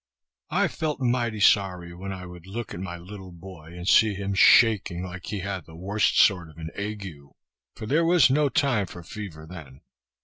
I felt mighty sorry when I would look at my little boy, and see him shaking like he had the worst sort of an ague, for there was no time for fever then.